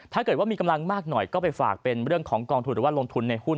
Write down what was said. ถ้าเกิดว่ามีกำลังมากหน่อยก็ไปฝากเป็นเรื่องของกองทุนหรือว่าลงทุนในหุ้น